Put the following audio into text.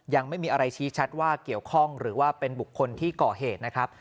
ยังไม่มีอะไรชี้ชัดว่าเกี่ยวข้องหรือว่าเป็นบุคคลที่ก่อเหตุนะครับ